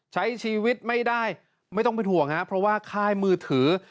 ใช้ชีวิตไม่ได้ไม่ต้องเป็นห่วงฮะเพราะว่าค่ายมือถือ